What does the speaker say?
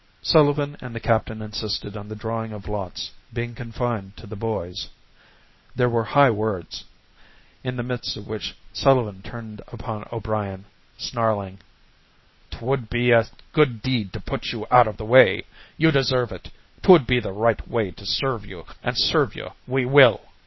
Sullivan and the captain insisted on the drawing of lots being confined to the boys. There were high words, in the midst of which Sullivan turned upon O'Brien, snarling "'Twould be a good deed to put you out of the way. You deserve it. 'Twould be the right way to serve you, an' serve you we will."